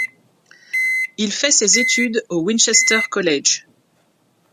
Il fait ses études au Winchester College.